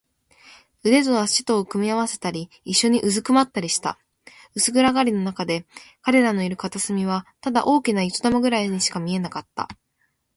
腕と脚とを組み合わせたり、いっしょにうずくまったりした。薄暗がりのなかで、彼らのいる片隅はただ大きな糸玉ぐらいにしか見えなかった。